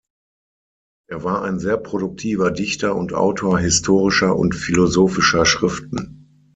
Er war ein sehr produktiver Dichter und Autor historischer und philosophischer Schriften.